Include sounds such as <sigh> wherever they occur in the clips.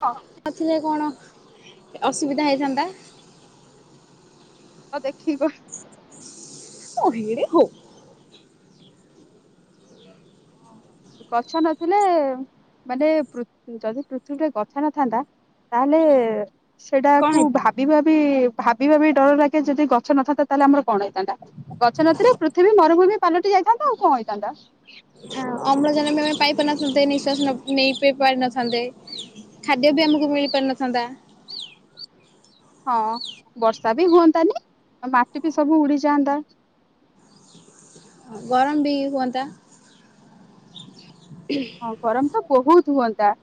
ତ ଆସିଲେ କଣ ଅସୁବିଧା ହେଇଥାନ୍ତା? ହଉ ଦେଖିବ <unintelligible> ଗଛ ନଥିଲେ ମାନେ ପୃ ଯଦି ପୃଥିବୀରେ ଗଛ ନଥାନ୍ତା ତାହେଲେ କଣ ସେଟାକୁ ହେଇଥାନ୍ତା? ଭାବି ଭାବି ଭାବି ଭାବି ଡର ଲାଗେ ଯଦି ଗଛ ନଥାନ୍ତା ତାହେଲେ ଆମର କଣ ହୋଇଥାନ୍ତା। ଗଛ ନଥିଲେ ପୃଥିବୀ ମରୁଭୂମି ପାଲଟି ଯାଇଥାନ୍ତା ଆଉ କଁ ହୋଇଥାନ୍ତା। ଅମ୍ଳଜାନ ଆମେ ପାଇ ପାରିନଥାନ୍ତେ ନିଶ୍ୱାସ ନେବା ନେଇବି ପାରିନଥାନ୍ତେ। ଖାଦ୍ୟବି ଆମକୁ ମିଳି ପାରିିନଥାନ୍ତା। ହଁ ବର୍ଷାବି ହୁଅନ୍ତାନି ଆଁ ମାଟିବି ସବୁ ଉଡ଼ିଯାଆନ୍ତା। ଗରମବି ହୁଅନ୍ତା। <inaudible> ଆଉ ଗରମତ ବହୁତ୍ ହୁଅନ୍ତା।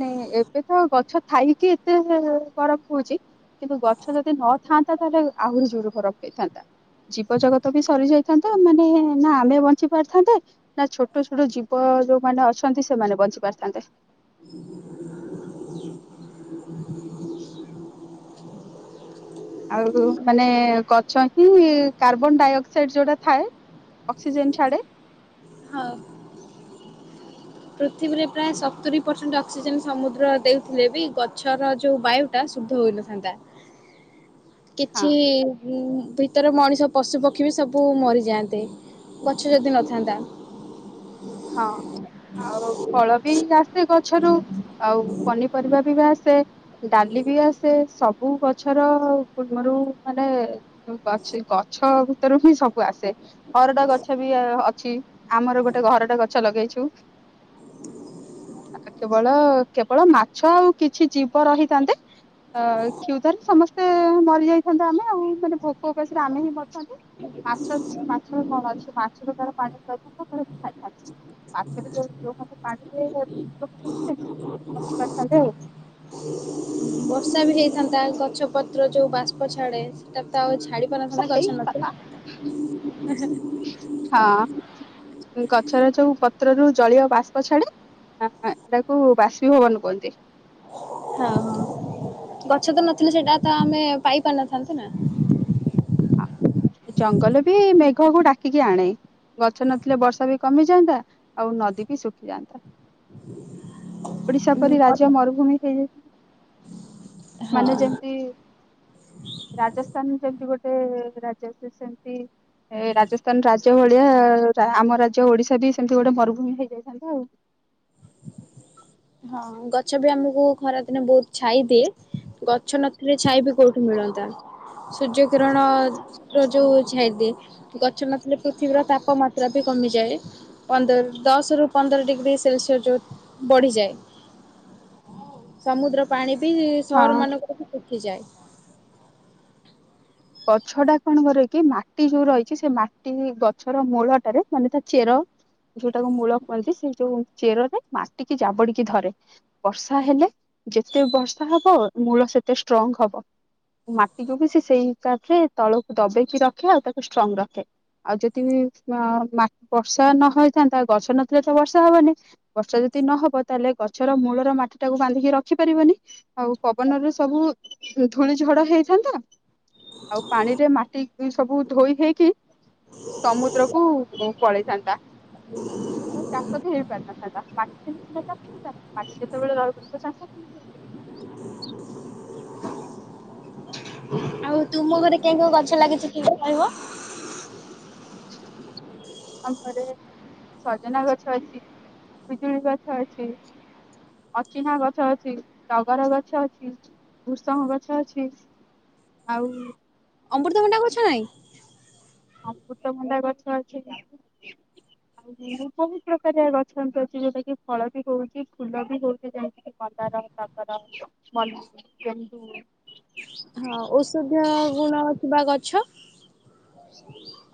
ନାଇଁ ଏବେତ ଗଛ ଥାଇକି ଏତେ ଗରମ ହଉଚି କିନ୍ତୁ ଗଛ ଯଦି ନଥାନ୍ତା ତାହେଲେ ଆହୁରି ଜୋରେ ଗରମ ହୋଇଥାନ୍ତା। ଜୀବଜଗତବି ସରି ଯାଇଥାନ୍ତା ମାନେ ନା ଆମେ ବଞ୍ଚି ପାରଥାନ୍ତେ ନା ଛୋଟ ଛୋଟ ଜୀବ ଯୋଉମାନେ ଅଛନ୍ତି ସେମାନେ ବଞ୍ଚି ପାରିଥାନ୍ତେ। ଆଉ ଯୋଉ ମାନେ ଗଛହିଁ କାର୍ବନ ଡାଇଅକ୍ସାଇଡ ଯୋଉଟା ଥାଏ ଅକ୍ସିଜେନ୍ ଛାଡ଼େ ହଁ। ପୃଥିବୀରେ ପ୍ରାୟ ସତୁରି ପରସେଣ୍ଟ ଅକ୍ସିଜେନ୍ ସମୁଦ୍ର ଦେଇଥିଲେବି ଗଛର ଯଉ ବାୟୁ ତାହା ଶୁଦ୍ଧ ହେଇ ନଥାନ୍ତା। <inaudible> ହଁ କିଛି ହୁଁ ଭିତରେ ମଣିଷ ପଶୁପକ୍ଷୀବି ସବୁ ମରିଯାଆନ୍ତେ ଗଛ ଯଦି ନଥାନ୍ତା। ହଁ ଆଉ ଫଳବି ଆସେ ଗଛରୁ ଆଉ ପନିପରିବାବି ବା ଆସେ ଡାଲିବି ଆସେ ସବୁ ଗଛର ପୂର୍ବରୁ ମାନେ <unintelligible> ଅଛି ଗଛ ଭିତରୁ ହିଁ ସବୁ ଆସେ। ହରଡ ଗଛ ବି ଅଛି, ଆମର ଗୋଟେ ହରଡ ଗଛ ଲଗେଇଛୁ। କେବଳ କେବଳ ମାଛ ଆଉ କିଛି ଜୀବ ରହିଥାନ୍ତେ। ଅ କ୍ଷୁଧାରେ ସମସ୍ତେ ମରି ଯାଇଥାନ୍ତେ, ଆମେ ଆଉ ମାନେ ଭୋକ ଉପାସରେ ଆମେ ହିଁ ମରିଥାନ୍ତେ। ମାଛ ଅଛି ମାଛରେ କଣ ଅଛି ମାଛରେ ତାର <unintelligible> <inaudible> <inaudible> ବର୍ଷା ବି ହେଇଥାନ୍ତା ଗଛ ପତ୍ର ଯୋଉ ବାଷ୍ପ ଛାଡେ ସେଟାତ ଆଉ ଛାଡି ଆଉ ପାରିନଥାନ୍ତା ସେଇ ଗଛ ନଥିଲେ। ହଁ ଗଛର ଯୋଉ ପତ୍ରରୁ ଜଳୀୟବାଷ୍ପ ଛାଡେ। ହଁ ସେଇଟାକୁ ବାଷ୍ପିଭବନ କୁହନ୍ତି। ହଁ ହଁ, ଗଛ ତ ନଥିଲେ ସେଇଟା ତ ଆମେ ପାଇ ପାରିନଥାନ୍ତେ ନା। ହଁ ଜଙ୍ଗଲ ବି ମେଘକୁ ଡାକିକି ଆଣେ। ଗଛ ନଥିଲେ ବର୍ଷା ବି କମିଯାନ୍ତା ଆଉ ନଦୀ ବି ଶୁଖିଯାଆନ୍ତା। <inaudible> ଓଡିଶା ପରି ରାଜ୍ୟ ମରୁଭୂମି ହୋଇଯାଇଥାନ୍ତା। ହଁ ମାନେ ଯେମିତି ରାଜସ୍ଥାନ ଯେମିତି ଗୋଟେ ରାଜ୍ୟ ସେ ସେମିତି ସେମିତି ଏ ରାଜସ୍ଥାନ ରାଜ୍ୟ ଭଳିଆ ଆମ ରାଜ୍ୟ ଓଡିଶା ବି ସେମିତି ଗୋଟେ ମରୁଭୂମି ହେଇଯାଇଥାନ୍ତା ଆଉ। ହଁ ଗଛ ବି ଆମକୁ ଖରା ଦିନେ ବହୁତ ଛାଇ ଦିଏ ଗଛ ନଥିଲେ ଛାଇ ବି କୋଉଠୁ ମିଳନ୍ତା, ସୂର୍ଯ୍ୟ କିରଣର ଯୋଉ ଛାଦି ଗଛ ନଥିଲେ ପୃଥିବୀର ତାପମାତ୍ରା। କମିଯାଏ ପନ୍ଦର ଦଶରୁ ପନ୍ଦର ଡିଗ୍ରୀ ସେଲସିଅସ ଯୋଉ ବଢ଼ିଯାଏ। ସମୁଦ୍ର ପାଣି ବି ସହର ହଁ ମାନଙ୍କରୁ ଶୁଖିଯାଏ। ଗଛଟା କଣ କରେ କି ମାଟି ଯୋଉ ରହିଛି ସେ ମାଟି ଗଛର ମୂଳଟାରେ ମାନେ ତା ଚେର, ଯୋଉଟାକୁ ମୂଳ କୁହନ୍ତି ସେ ଯୋଉ ଚେରରେ ମାଟିକି ଜାବୁଡିକି ଧରେ, ବର୍ଷା ହେଲେ ଯେତେ ବର୍ଷା ହବ ମୂଳ ସେତେ ଷ୍ଟ୍ରଙ୍ଗ ହବ। ମାଟିକୁ ବି ସେ ସେଇ ହିସାବରେ ତଳକୁ ଦବେଇକି ରଖେ, ଆଉ ତାକୁ ଷ୍ଟ୍ରଙ୍ଗ ରଖେ। ଆଉ ଯଦି ବର୍ଷା ନହୋଇଥାନ୍ତା ଗଛ ନଥିଲେ ତ ବର୍ଷା ହବନି। ବର୍ଷା ଯଦି ନହବ ତାହଲେ ଗଛର ମୂଳର ମାଟିଟାକୁ ବାନ୍ଧିକି ରଖି ପାରିବନି। ଆଉ ପବନରେ ସବୁ ଧୂଳିଝଡ ହେଇଥାନ୍ତା, ଆଉ ପାଣିରେ ମାଟି ସବୁ ଧୋଇ ହେଇକି। ସମୁଦ୍ରକୁୁ ପଳେଇଥାନ୍ତା। <inaudible> ତ ଚାଷ ବି ହେଇପାରିଥାନ୍ତା ମାଟି ଥିଲେ ସିନା ଚାଷ ହେଇଥାନ୍ତା ମାଟି ଯେତେବେଳେ ରହିବନି ତ ଚାଷ <unintelligible> ଆଉ ତୁମ ଘରେ କେଉଁ କେଉଁ ଗଛ ଲାଗିଛି ଟିକେ କହିବ? <inaudible> ଆମ ଘରେ ସଜନା ଗଛ ଅଛି, ପିଜୁଳି ଗଛ ଅଛି। ଅଚିହ୍ନା ଗଛ ଅଛି, ଟଗର ଗଛ ଅଛି, ଭୂଷଙ୍ଗ ଗଛ ଅଛି। ଆଉ ଅମୃତଭଣ୍ଡା ଗଛ ନାଇଁ? ଅମୃତଭଣ୍ଡା ଗଛ ଅଛି। ବହୁତ ପ୍ରକାର ଗଛ ଅଛି, ଯୋଉଟା କି ଫଳ ବି ହଉଛି ଫୁଲ ବି ହଉଛି ଯେମିତିକି ମନ୍ଦାର। ଟଗର, ମଲ୍ଲୀ, ଗେଣ୍ଡୁ ହଁ ଔଷଧୀୟ ଗୁଣ ଥିବା ଗଛ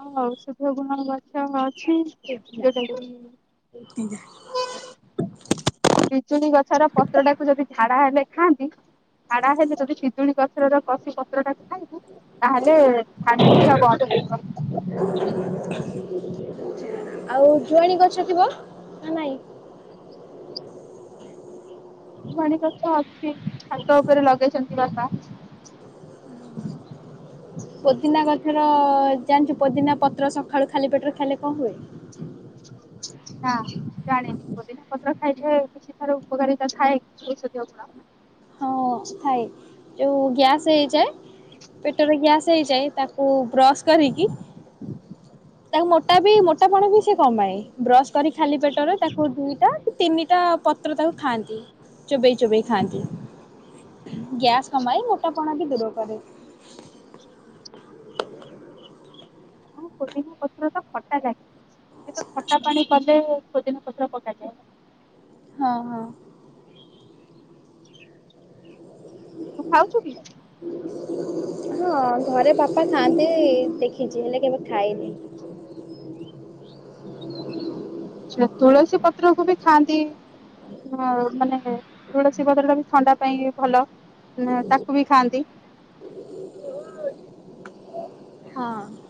ହଁ ଔଷଧୀୟ ଗୁଣର ଗଛ ଅଛି ନା ଯୋଉଟାକି ପିଜୁଳି ଗଛର ପତ୍ର ଟାକୁ ଯଦି ଝାଡା ହେଲେ ଖାଆନ୍ତି ଝାଡ଼ା ହେଲେ ଯଦି ପିଜୁଳି ଗଛର କଷି ପତ୍ରଟା କୁ ଖାଇବୁ ତାହେଲେ ଥାଡିଖିଆ ବନ୍ଦ୍ ହେଇଯିବ। ଆଉ ଜୁଆଣୀ ଗଛ ଥିବ ନା ନାଇଁ? ଜୁଆଣି ଗଛ ଅଛି ଛାତ ଉପରେ ଲଗେଇଛନ୍ତି ବାପା। ପୋଦିନା ଗଛର ଜାଣିଛୁ ପୋଦିନା ପତ୍ର ସକାଳୁ ଖାଲି ପେଟରେ ଖାଇଲେ କଣ ହୁଏ? ନା <inaudible> ଜାଣିନି ପୋଦିନା ପତ୍ର ଖାଇଲେ ତାର ଉପକାରୀତା ଥାଏ କି ଔଷଧୀୟ ଗୁଣ? ହଁ ଥାଏ ଯୋଉ ଗ୍ୟାସ୍ ହେଇଯାଏ ପେଟରେ ଗ୍ୟାସ୍ ହେଇଯାଏ ତାକୁ ବ୍ରସ୍ କରିକି ତାକୁ ମୋଟା ବି ମୋଟା ପଣ ବି ସେ କମାଏ ବ୍ରସ କରି ଖାଲି ପେଟରେ ତାକୁ ଦୁଇଟା ତିନିଟା ପତ୍ର ତାକୁ ଖାଆନ୍ତି ଚୋବେଇ ଚୋବେଇ ଖାଆନ୍ତି। ଗ୍ୟାସ୍ କମାଏ ମୋଟାପଣ ବି ଦୂର କରେ। ହଁ ପୋଦିନା ପତ୍ର ତ ଖଟା ଲାଗେ ସେତ ଖଟା ପାଣି କଲେ ପୋଦିନା ପତ୍ର ପକା ଯାଏ। ହଁ ହଁ। ତୁ ଖାଉଛୁ କି? ହଁ ଘରେ ବାପା ଖାଆନ୍ତି ଦେଖିଛି ହେଲେ କେବେ ଖାଇନି। ସେ ତୁଳସୀ ପତ୍ର କୁ ବି ଖାଆନ୍ତି। ହଁ ମାନେ ତୁଳସୀ ପତ୍ର ଟା ବି ଥଣ୍ଡା ପାଇଁ ଭଲ। ନା ତାକୁ ବି ଖାଆନ୍ତି। ହଁ।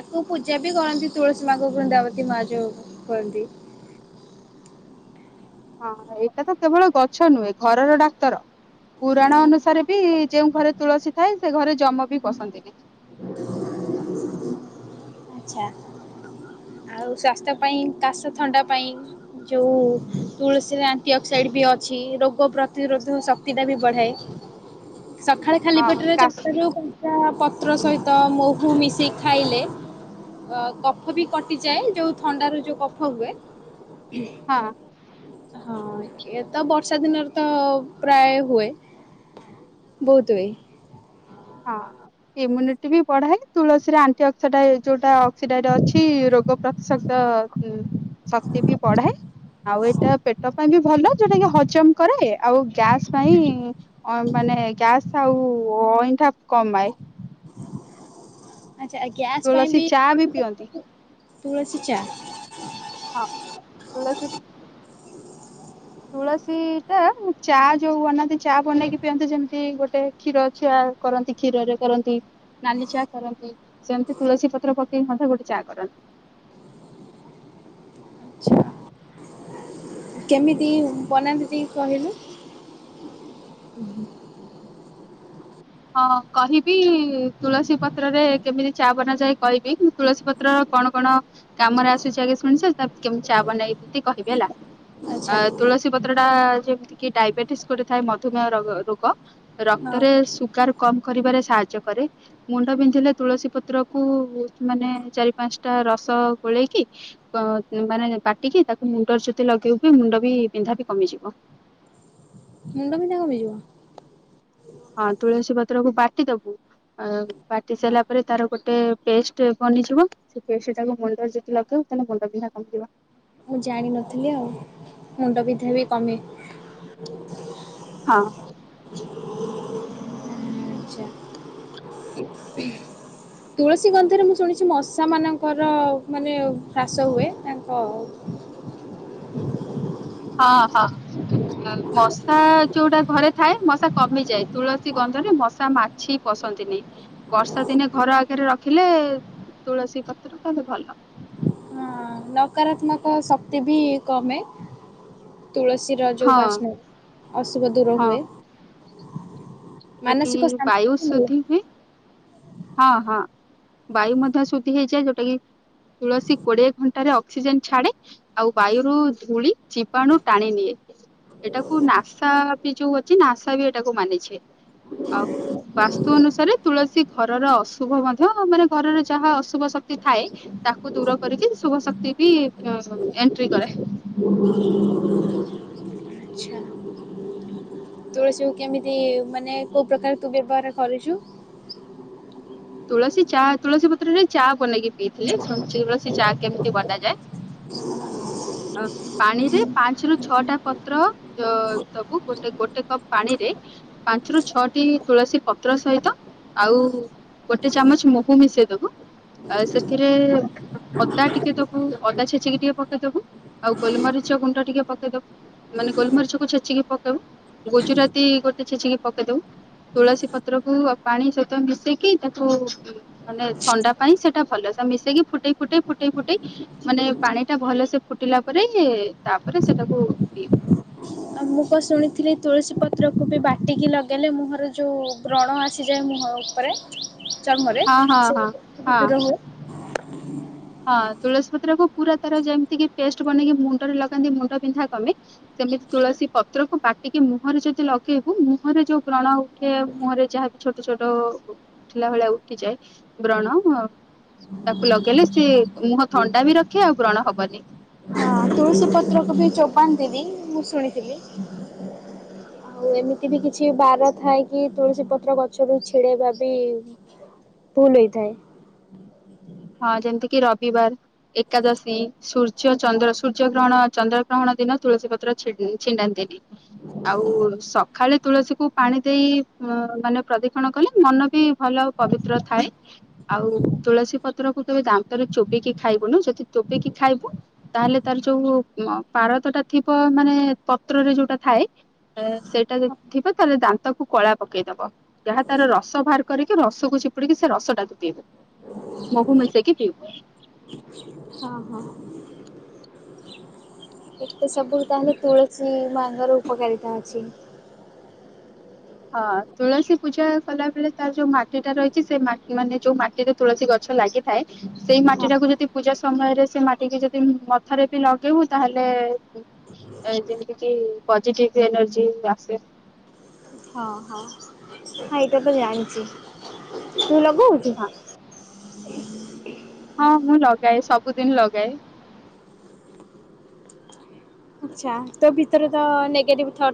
ସେ ପୂଜା ବି କରନ୍ତି ତୁଳସୀ ମାକୁ ବୃନ୍ଦାବତୀ ମା ଯୋଉ କରନ୍ତି। ହଁ ଏଇଟା ତ କେବଳ ଗଛ ନୁହେଁ ଘରର ଡାକ୍ତର। ପୁରାଣ ଅନୁସାରେ ବି ଯୋଉଁ ଘରେ ତୁଳସୀ ଥାଏ ସେ ଘରେ ଜମ ବି ପସନ୍ତିନି। ଆଚ୍ଛା। ଆଉ ସ୍ୱାସ୍ଥ୍ୟ ପାଇଁ କାଶ ଥଣ୍ଡା ପାଇଁ ଯେଉଁ ତୁଳସୀରେ ଆଣ୍ଟି ଅକ୍ସାଇଡ଼୍ ବି ଅଛି ରୋଗ ପ୍ରତିରୋଧକ ଶକ୍ତିଟା ବି ବଢ଼ାଏ। ସକାଳେ ଖାଲି ହଁ ପେଟରେ କାଶ ଚାରିଟାରୁ ଗୋ <unintelligible> ପତ୍ର ସହିତ ମୋହୁ ମିଶେଇ ଖାଇଲେ କଫ ବି କ ମି ଯାଏ ଯୋଉ ଥଣ୍ଡାରୁ ଯୋଉ ଯୋଉ କଫ ହୁଏ ହଁ। ହଁ କିଏ ତ ବର୍ଷା ଦିନରେ ତ ପ୍ରାୟ ହୁଏ। ବହୁତ ହୁଏ। ହଁ। ଇମ୍ୟୁନିଟି ବି ବଢାଏ ତୁଳସୀରେ ଆଣ୍ଟି ଅକ୍ସଟାଇ ଯୋଉଟା ଅକ୍ସିଡାଇଡ ଅଛି ରୋଗ ପ୍ର ଶତ ଶକ୍ତି ବିି ବଢାଏ। ଆଉ ଏଇଟା ପେଟ ପାଇଁ ବି ଭଲ ଯୋଉଟା କି ହଜମ କରେ ଆଉ ଗ୍ୟାସ ପାଇଁ ଅ ମାନେ ଗ୍ୟାସ ଆଉ ଅଇଁଠାବ କମାଏ। ଆଚ୍ଛା ଆ ଗ୍ୟାସ୍ ପାଇଁ ତୁଳସୀ ବି ଚା ତୁଳସୀ ପିଅନ୍ତି <unintelligible> ତୁଳସୀ ଚା ହଁ ତୁଳସୀ ତୁଳସୀ ଟା ମୁଁ ଚା ଯୋଉ ବନାନ୍ତି ଚା ବନେଇକି ପିଅନ୍ତି ଯେମିତି ଗୋଟେ କ୍ଷୀର ଚା କରନ୍ତି କ୍ଷୀରରେ କରନ୍ତି ନାଲି ଚା କରନ୍ତି। ସେମିତି ତୁଳସୀ ପତ୍ର ପକେଇକି ମଧ୍ୟ ଗୋଟେ ଚା କରନ୍ତି। ଆଚ୍ଛା। କେମିତି ବନାନ୍ତି ଟିକେ କହିଲୁ? <inaudible> ହୁଁ ହୁଁ। ହଁ କହିବି ତୁଳସୀ ପତ୍ରରେ କେମିତି ଚା ବନାଯାଏ କହିବି। ତୁଳସୀ ପତ୍ର କଣ କଣ କାମରେ ଆସୁଛି ଆଗେ ଶୁଣିଛ ତାପ କେମିତି ଚା ବନେଇ ଏମ୍ ତି କହିବି ହେଲା। ଆଚ୍ଛା। ଅ ତୁଳସୀ ପ ପତ୍ରଟା ଯେମିତିକି ଡାଇବେଟିସ୍ ଗୋଟେ ଥାଏ ମୁମେହ ରଗ ରୋଗ ହଁ ରକ୍ତରେ ସୁ ଗାର୍ କମ୍ କରିବାରେ ସାହାଯ୍ୟ କରେ। ମୁଣ୍ଡ ବିନ୍ଧିଲେ ତୁଳସୀ ପତ୍ର କୁ ମାନେ ଚାରି ପାଞ୍ଚ ଟା ରସ ଗୋଳେଇକି ତ ମାନେ ବାଟିକି ତାକୁ ମୁଣ୍ଡରେ ଯଦି ଲଗେଇବୁ ବି ମୁଣ୍ଡ ବି ବିନ୍ଧା ବି କମିଯିବ। ମୁଣ୍ଡ ବିିନ୍ଧା କମି ଯିବ? ହଁ ତୁଳସୀ ପତ୍ର କୁ ବାଟିଦବୁ ଅ ବାଟି ହଁ ସାଇଲା ପରେ ତାର ଗୋଟେ ପେଷ୍ଟ୍ ବନିଯିବ ସେ ପେଷ୍ଟ୍ ଟାକୁ ମୁଣ୍ଡରେ ଯଦି ଲଗେଇବୁ ତାହେଲେ ମୁଣ୍ଡ ବିନ୍ଧା କମିଜିବ। ମୁଁ ଜାଣି ନଥିଲି ଆଉ ମୁଣ୍ଡ ବିିଧା ବି କମେ। ହଁ। <inaudible> ଆଛା। ତୁଳସୀ ଗନ୍ଧରେ ମୁଁ ଶୁଣିଛି ମଶାମାନଙ୍କର ମାନେ ହ୍ରାସ ହୁଏ ତାଙ୍କ ହଁ ହଁ ମଶା ଯୋଉଟା ଘରେ ଥାଏ ମଶା କମିଯାଏ ତୁଳସୀ ଗନ୍ଧରେ ମଶା ମାଛି ପଶନ୍ତି ନି। ବର୍ଷା ଦିନେ ଘର ଆଗେରେ ରଖିଲେ ତୁଳସୀ ପତ୍ର ତାହେଲେ ଭଲ। ହଁ। ନକାରାତ୍ମକ ଶକ୍ତି ବି କମେ। ତୁଳସୀର ଯୋଉ ହଁ ବାସ୍ନାରେ ଏଟା କିି ଶାନ୍ତି ବାୟୁ ବି ମିଳେ। ସୁଦ୍ଧି ହୁଏ? ହଁ ହଁ ବାୟୁ ମଧ୍ୟ ସୁୁତି ହେଇଯାଏ ଯୋଉଟା କି ତୁଳସୀ କୋଡିଏ ଘଣ୍ଟାରେ ଅକ୍ସିଜେନ୍ ଛାଡେ ଆଉ ବାୟୁରୁ ଧୂଳି ଜୀବାଣୁ ଟାଣି ନିଏ। ଏଇଟାକୁ ନାସା ବି ଯୋଉ ଅଛି ନାସା ବି ଏଇଟାକୁ ମାନିଛେ। ଆଉ ବାସ୍ତୁ ଅନୁସାରେ ତୁଳସୀ ଘରର ଅଶୁଭ ମଧ୍ୟ ମାନେ ଘରର ଯାହା ଅଶୁଭ ଶକ୍ତି ଥାଏ ତାକୁ ଦୂର କରିକି ଶୁଭ ଶକ୍ତି ବି ଅଁ ଏଣ୍ଟ୍ରି କରେ। <inaudible> ଆଚ୍ଛା। ତୁଳସୀ କୁ କେମିତି ମାନେ କୋଉ ପ୍ରକାର ତୁ ବ୍ୟବହାର କରିଚୁ? ତୁଳସୀ ଚା ତୁଳସୀ ପତ୍ରରେ ଚା ବନେଇକି ପିଇଥିଲି କେମିତି ବନାଯାଏ ପାଣିରେ ପାଞ୍ଚରୁୁ ଛଅଟା ପତ୍ର ତ ଦବୁ ଗୋଟେ ଗୋଟେ କପ୍ ପାଣି ରେ ପାଞ୍ଚ୍ ରୁ ଛଅଟି ତୁଳସୀ ପତ୍ର ସହିତ ଆଉ ଗୋଟେ ଚାମଚ୍ ମହୁ ମିଶେଇ ଦବୁ ଆ ସେଥିରେ ଅଦା ଟିକେ ଦବୁ ଅଦା ଛେଚିକି ଟିକେ ପକେଇଦବୁ ଆଉ ଗୋଲ୍ ମରିଚ ଗୁଣ୍ଡ ଟିକେ ପକେଇଦବୁ ମାନେ ଗୋଲ୍ ମରିଚକୁ ଛେଚିକି ପକେଇବୁ ଗୁଜୁରାତି ଗୋଟେ ଛେଚିକି ପକେଇଦବୁ ତୁଳସୀ ପତ୍ର କୁ ଆଉ ପାଣି ସହିତ ମିଶେଇକି ତାକୁ ମାନେ ଥଣ୍ଡା ପାଇଁ ସେଇଟା ଭଲ ମିଶେଇକି ଫୁଟେଇ ଫୁଟେଇ ଫୁଟେଇ ଫୁଟେଇ ମାନେ ପାଣି ଟା ଭଲ ସେ ଫୁଟିଲା ପରେ ତାପରେ ସେଟାକୁ ପି ଆଉ ମୁଁ କଣ ଶୁଣିଥିଲି ତୁଳସୀ ପତ୍ରକୁ ବି ବାଟିକି ଲଗେଇଲେ ମୁହଁରୁ ଯୋଉ ବ୍ରଣ ଆସିଯାଏ ମୁହଁ <inaudible> ପରେ ଚମରେ ହଁ ହଁ ସେ ହଁ ହଁ। ଦୂର ହୁଏ। ହଁ ତୁଳସୀ ପତ୍ର କୁ ପୁରା ତାର ଯେମିତି କି ପେଷ୍ଟ ବନେଇକି ମୁଣ୍ଡରେ ଲଗାନ୍ତି ମୁଣ୍ଡ ବିନ୍ଧା କମେ। ସେମିତି ତୁଳସୀ ପତ୍ରକୁ ବାଟିକି ମୁହଁରେ ଯଦି ଲଗେଇବୁ ମୁହଁରେ ଯୋଉ ବ୍ରଣ ଉଠେ ଆଉ ମୁହଁରେ ଯାହାବି ଛୋଟ ଛୋଟ ଉଠିଲା ଭଳିଆ ଉଠିଯାଏ ବ୍ରଣ ତାକୁ ଲଗେଇଲେ ସିଏ ମୁହଁ ଥଣ୍ଡା ବି ରଖେ ଆଉ ବ୍ରଣ ହବନି। ହଁ ତୁଳସୀ ପତ୍ରକୁ ବି ଚୋବାନ୍ତି ବି ମୁଁ ଶୁଣିଥିଲି। <inaudible> ଆଉ ଏମିତି ବି କିଛି ବାର ଥାଏ କି ତୁଳସୀ ପତ୍ର ଗଛରୁ ଛିଡେଇବା ବି ଭୁଲ ହେଇଥାଏ। ହଁ ଯେମିତି କିି ରବିବାର ଏକାଦଶୀ ସୂର୍ଯ୍ୟ ହଁ ଚନ୍ଦ୍ର ସୂର୍ଯ୍ୟ ଗ୍ରହଣ ଚନ୍ଦ୍ର ଗ୍ରହଣ ଦିନ ତୁଳସୀ ପତ୍ର ଛିଣ୍ଡ୍ ଛିଣ୍ଡାନ୍ତିନି। ଆଉ ସଖାଳେ ତୁଳସୀକୁୁ ପାଣି ଦେଇ ମାନେ ପ୍ରଦିକ୍ଷଣ କଲେ ମନ ବି ଭଲ ପବିତ୍ର ଥାଏ ଆଉ ତୁଳସୀ ପ ପତ୍ର କୁ କେବେ ଦାନ୍ତରେ ଚୋବେଇକି ଖାଇବୁନୁ ଯଦି ଚୋବେଇକି ଖାଇବୁ ତାହେଲେ ତାର ଯୋଉ ମ ପାରଦଟା ଥିବ ମାନେ ପତ୍ରରେ ଯୋଉଟା ଥାଏ। ଏଁ ସେଇଟା ଯଦି ଥିବ ତାହେଲେ ଦାନ୍ତକୁ କଳା ପକେଇଦବ। ଯାହା ତାର ରସ ବାହାର କରିକି ରସକୁ ଚିପୁଡିକି ସେ ରସଟାକୁ ପିଇବେ। ମହୁ ମିସେଇକି ପିଇବେ। ହଁ ହଁ। ଏସବୁ ତାହେଲେ ତୁଳସୀ ମାଁଙ୍କର ଉପକାରିତା ଅଛି। ହଁ ତୁଳସୀ ପୂଜା କଲା ବେଳେ ତାର ଯୋଉ ମାଟି ଟା ରହିଚି ସେ ମାଟି ମାନେ ଯୋଉ ମାଟିରେ ତୁଳସୀ ଗଛ ଲାଗିଥାଏ। ସେଇ ହଁ ମାଟି ଟାକୁ ଯଦି ପୂଜା ସମୟରେ ସେ ମାଟି କି ଯଦି ମଥାରେ ବି ଲଗେଇବୁ ତାହେଲେ ଏ ଯେମିତି କି ପଜିଟିଭ ଏନର୍ଜି ଆସେ ହଁ ହଁ ହଁ ଏଇଟା ତ ଜାଣିଚି ତୁ ଲଗଉଚୁ? ହଁ ହଁ ମୁଁ ଲଗାଏ ସବୁଦିନ ଲଗାଏ। ଆଚ୍ଛା ତୋ ଭିତରେ ତ ନେଗେଟିଭ୍ ଥଟ୍